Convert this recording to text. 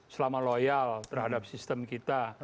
selama loyal terhadap sistem kita